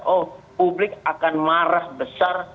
oh publik akan marah besar